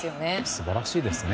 素晴らしいですね。